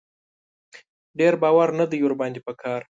ډېر باور نه دی ور باندې په کار.